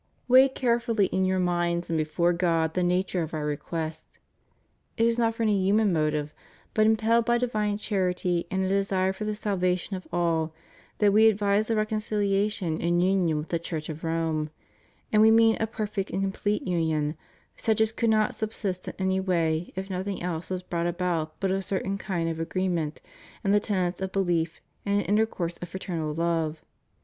Weigh carefully in your minds and before God the nature of Our request. It is not for any human motive, but impelled by divine charity and a desire for the salvation of all, that We advise the reconcihation and union with the Church of Rome; and We mean a perfect and com plete union, such as could not subsist in any way if noth ing else was brought about but a certain kind of agreement in the tenets of belief and an intercourse of fraternal love.